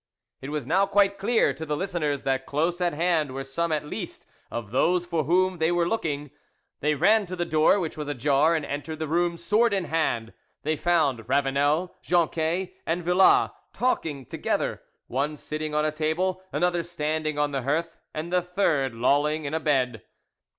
It was now quite clear to the listeners that close at hand were some at least of those for whom they were looking. They ran to the door, which was ajar, and entered the room, sword in hand. They found Ravanel, Jonquet, and Villas talking together, one sitting on a table, another standing on the hearth, and the third lolling on a bed.